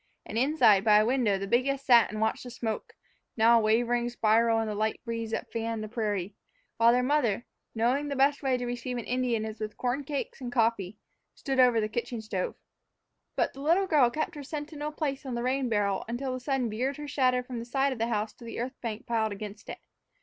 And, inside, by a window, the biggest sat and watched the smoke, now a wavering spiral in the light breeze that fanned the prairie; while their mother, knowing that the best way to receive an Indian is with corn cakes and coffee, stood over the kitchen stove. But the little girl kept her sentinel place on the rain barrel until the sun veered her shadow from the side of the house to the earth bank piled against it.